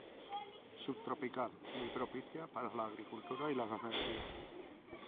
Subtropical, muy propicia para la agricultura y la ganadería.